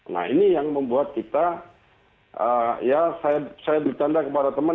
nah ini yang membuat kita saya dicanda kepada teman